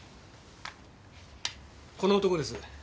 この男です。